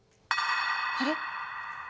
あれ？